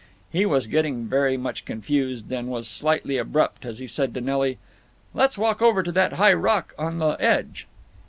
He was getting very much confused, and was slightly abrupt as he said to Nelly, "Let's walk over to that high rock on the edge."